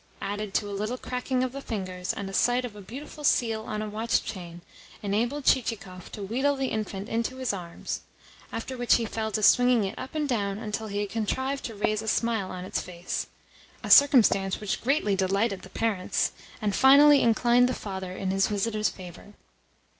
added to a little cracking of the fingers and a sight of a beautiful seal on a watch chain, enabled Chichikov to weedle the infant into his arms; after which he fell to swinging it up and down until he had contrived to raise a smile on its face a circumstance which greatly delighted the parents, and finally inclined the father in his visitor's favour.